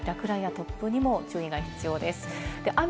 落雷や突風にも注意が必要です。